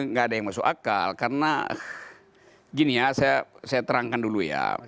nggak ada yang masuk akal karena gini ya saya terangkan dulu ya